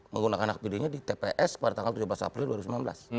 menggunakan hak pilihnya di tps pada tanggal tujuh belas april dua ribu sembilan belas